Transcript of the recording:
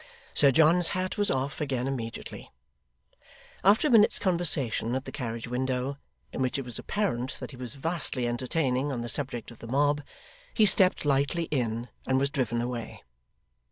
Sir John's hat was off again immediately. After a minute's conversation at the carriage window, in which it was apparent that he was vastly entertaining on the subject of the mob, he stepped lightly in, and was driven away.